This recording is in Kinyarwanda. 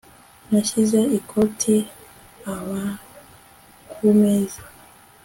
Nashyize ikoti abat ku meza